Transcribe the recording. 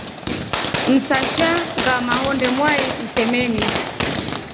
Msasha ngama honde mwai mtemeni.